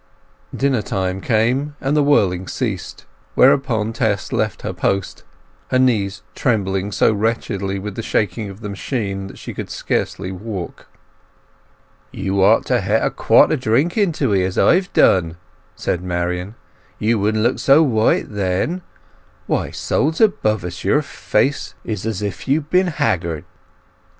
Dinner time came, and the whirling ceased; whereupon Tess left her post, her knees trembling so wretchedly with the shaking of the machine that she could scarcely walk. "You ought to het a quart o' drink into 'ee, as I've done," said Marian. "You wouldn't look so white then. Why, souls above us, your face is as if you'd been hagrode!"